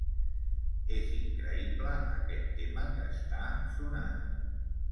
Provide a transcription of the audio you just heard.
És increïble aquest tema que està sonant.